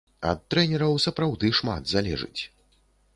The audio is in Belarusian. Ад трэнераў сапраўды шмат залежыць.